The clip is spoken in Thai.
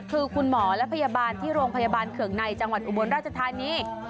คือคุณหมอและพยาบาลที่โรงพยาบาลเคืองในจังหวัดอุบลราชธานี